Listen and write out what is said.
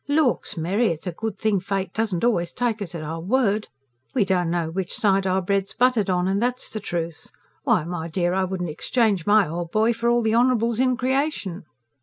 "Lauks, Mary, it's a good thing fate doesn't always take us at our word. We don't know which side our bread's buttered on, and that's the truth. Why, my dear, I wouldn't exchange my old boy for all the Honourables in creation!"